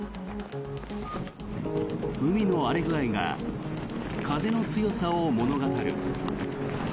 海の荒れ具合が風の強さを物語る。